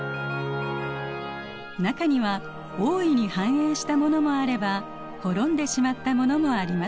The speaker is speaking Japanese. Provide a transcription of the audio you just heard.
中には大いに繁栄したものもあれば滅んでしまったものもあります。